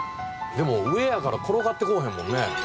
でも上やから転がってこおへんもんね。